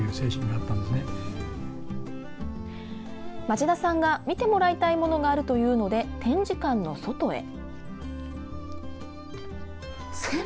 町田さんが見てもらいたいものがあるというので展示館の外へ。